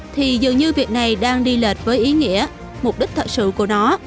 thì dường như việc này đang đi lệch với ý nghĩa mục đích thật sự của nó